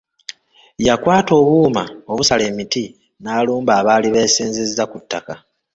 Yakwata obuuma obusala emiti n’alumba abaali besenzeza ku ttaka lye.